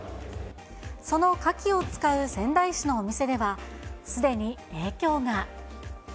そのカキを使う仙台市のお店では、すでに影響が。